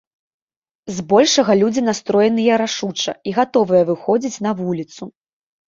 Збольшага людзі настроеныя рашуча і гатовыя выходзіць на вуліцу.